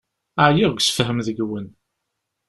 Ɛyiɣ deg usefhem deg-wen.